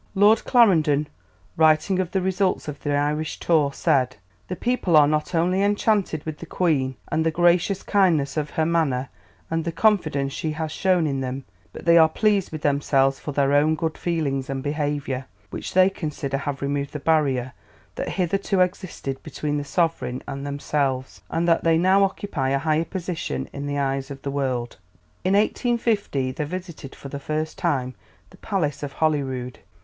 Lord Clarendon, writing of the results of the Irish tour, said, "The people are not only enchanted with the Queen and the gracious kindness of her manner and the confidence she has shown in them, but they are pleased with themselves for their own good feelings and behaviour, which they consider have removed the barrier that hitherto existed between the Sovereign and themselves, and that they now occupy a higher position in the eyes of the world." In 1850 they visited for the first time the Palace of Holyrood.